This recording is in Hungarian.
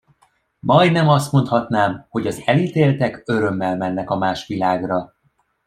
Majdnem azt mondhatnám, hogy az elítéltek örömmel mennek a másvilágra.